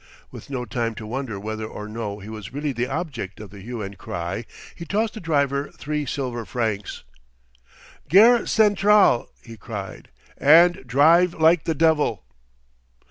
With no time to wonder whether or no he was really the object of the hue and cry, he tossed the driver three silver francs. "Gare Centrale!" he cried. "And drive like the devil!"